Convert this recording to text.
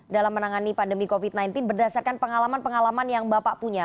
dalam menangani pandemi covid sembilan belas berdasarkan pengalaman pengalaman yang bapak punya